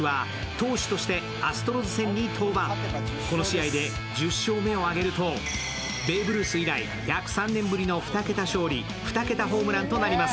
この試合で１０勝目を挙げると、ベーブ・ルース以来１０３年ぶりの２桁勝利、２桁ホームランとなります。